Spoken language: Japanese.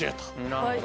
なるほど。